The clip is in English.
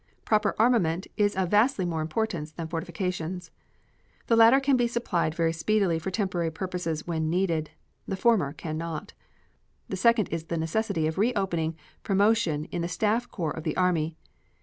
Proper armament is of vastly more importance than fortifications. The latter can be supplied very speedily for temporary purposes when needed; the former can not. The second is the necessity of reopening promotion in the staff corps of the Army.